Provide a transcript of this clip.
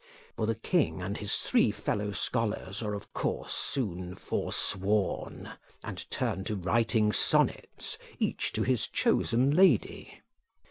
For the king and his three fellow scholars are of course soon forsworn, and turn to writing sonnets, each to his chosen lady.